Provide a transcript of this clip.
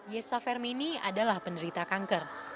yesa fermini adalah penderita kanker